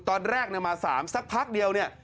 ตอนแรกมา๓สักพักเดียวเนี่ย